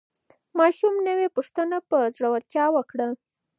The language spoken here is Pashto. ماشوم نوې پوښتنه په زړورتیا وکړه